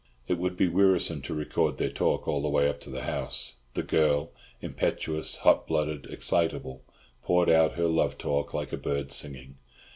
It would be wearisome to record their talk, all the way up to the house. The girl—impetuous, hot blooded, excitable—poured out her love talk like a bird singing.